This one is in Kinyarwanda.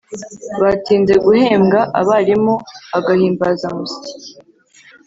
batinze guhembwa abarimu agahimbazamuswi